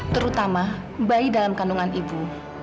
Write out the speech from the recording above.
terutama bayi dalam kandungan ibu